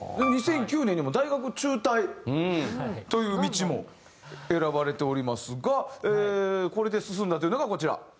２００９年にもう大学中退という道も選ばれておりますがこれで進んだというのがこちら。